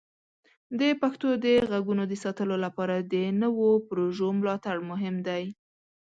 د پښتو د غږونو د ساتلو لپاره د نوو پروژو ملاتړ مهم دی.